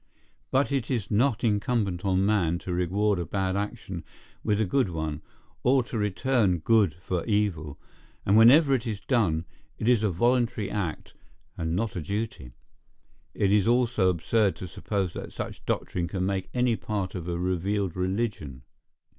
But it is not incumbent on man to reward a bad action with a good one, or to return good for evil; and wherever it is done, it is a voluntary act, and not a duty. It is also absurd to suppose that such doctrine can make any part of a revealed religion.